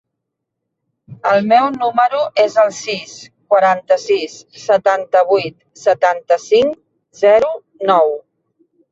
El meu número es el sis, quaranta-sis, setanta-vuit, setanta-cinc, zero, nou.